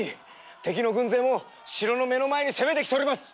敵の軍勢も城の目の前に攻めてきております。